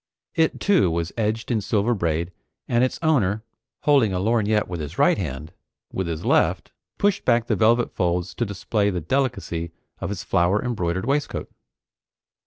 It, too, was edged in silver braid, and its owner, holding a lorgnette with his right hand, with his left pushed back the velvet folds to display the delicacy of his flower embroidered waistcoat.